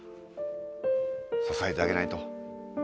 支えてあげないと。